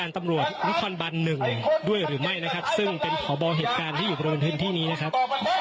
ที่อยู่บริเวณทึ่งที่นี้นะครับ